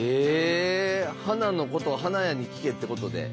花のことは花屋に聞けってことで？